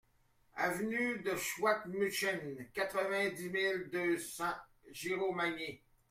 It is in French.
Avenue de Schwabmünchen, quatre-vingt-dix mille deux cents Giromagny